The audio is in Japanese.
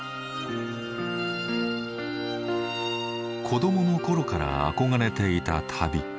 子どもの頃から憧れていた旅。